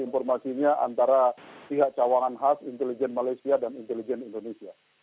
informasinya antara pihak cawangan khas intelijen malaysia dan intelijen indonesia